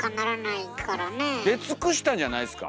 出尽くしたんじゃないですか？